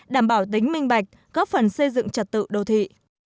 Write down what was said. đảm bảo tính minh bạch góp phần xây dựng trật tự đô thị